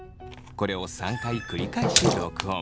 これを３回繰り返し録音。